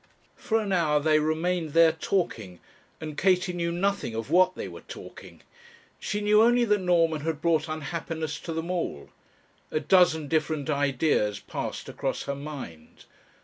For an hour they remained there talking, and Katie knew nothing of what they were talking; she knew only that Norman had brought unhappiness to them all. A dozen different ideas passed across her mind.